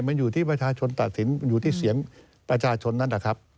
มันอยู่ที่ประชาชนตัดสินอยู่ที่เสียงประชาชนนั้นนะครับ